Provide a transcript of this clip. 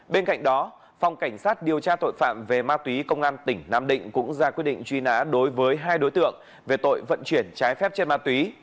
bên cạnh đó phòng cảnh sát điều tra tội phạm về ma túy công an tỉnh nam định cũng ra quyết định truy nã đối với hai đối tượng về tội vận chuyển trái phép trên ma túy